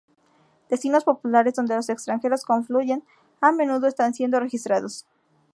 Destinos populares donde los extranjeros confluyen a menudo están siendo registrados.